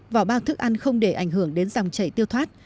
vỏ bao thức ăn không để ảnh hưởng đến dòng chảy tiêu thoát